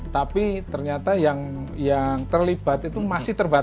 tapi ternyata yang terlibat itu masih terbatas